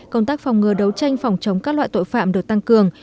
công tác phòng ngừa đấu tranh phòng chống các loại tội phạm được tăng cường